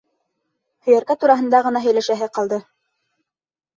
Һөйәркә тураһында ғына һөйләшәһе ҡалды.